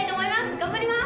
頑張ります。